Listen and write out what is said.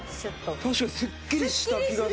確かにすっきりした気がするな。